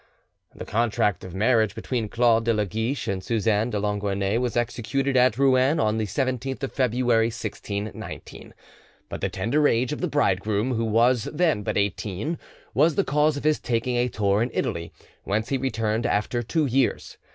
The contract of marriage between Claude de la Guiche and Suzanne de Longaunay was executed at Rouen on the 17th of February 1619; but the tender age of the bridegroom, who was then but eighteen, was the cause of his taking a tour in Italy, whence he returned after two years.